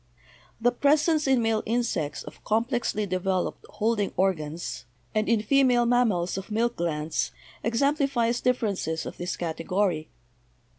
The presence in male insects of com plexly developed holding organs, and in female mammals 213 214 BIOLOGY of milk glands, exemplifies differences of this category.